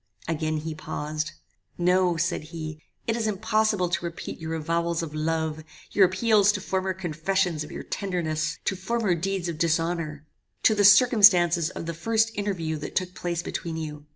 Again he paused. "No," said he, "it is impossible to repeat your avowals of love, your appeals to former confessions of your tenderness, to former deeds of dishonor, to the circumstances of the first interview that took place between you.